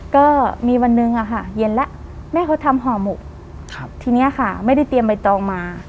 ก็มีวันหนึ่งอะค่ะเย็นแล้วแม่เขาทำห่อหมกครับทีนี้ค่ะไม่ได้เตรียมใบตองมา